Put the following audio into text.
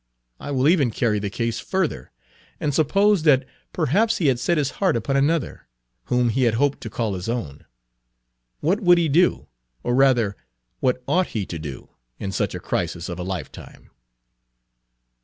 I will even carry the case further, and suppose that perhaps he had set his heart upon another, whom he had hoped to call his own. What would he do, or rather what ought he to do, in such a crisis of a lifetime?